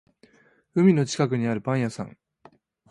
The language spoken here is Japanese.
海の近くにあるパン屋さん